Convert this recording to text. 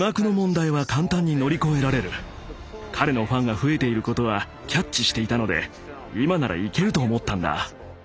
彼のファンが増えていることはキャッチしていたので今ならいけると思ったんだ。